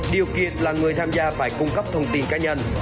điều kiện là người tham gia phải cung cấp thông tin cá nhân